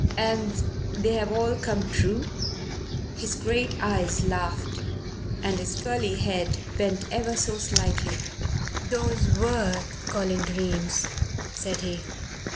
"And they have all come true?" His great eyes laughed and his curly head bent ever so slightly. "Those worth calling dreams," said he.